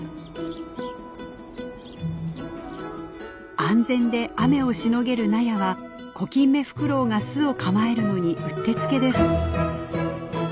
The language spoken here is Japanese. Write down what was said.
安全で雨をしのげる納屋はコキンメフクロウが巣を構えるのにうってつけです。